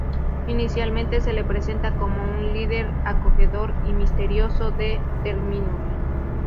Inicialmente se lo presenta como un líder acogedor y misterioso de Terminus.